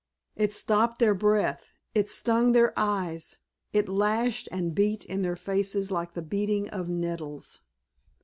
It stopped their breath, it stung their eyes, it slashed and beat in their faces like the beating of nettles.